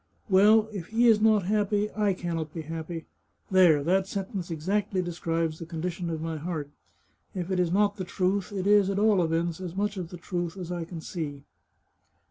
Well, if he is not happy, I can not be happy. There ; that sentence ex actly describes the condition of my heart. If it is not the truth, it is, at all events, as much of the truth as I can see."